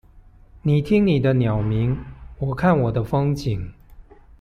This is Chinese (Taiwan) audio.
你聽你的鳥鳴，我看我的風景